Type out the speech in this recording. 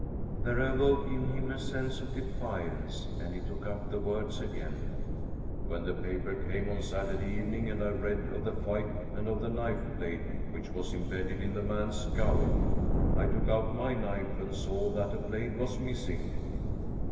There awoke in him a sense of defiance, and he took up the words again: "When the paper came on Saturday evening and I read of the fight and of the knife blade which was imbedded in the man's skull, I took out my knife and saw that a blade was missing."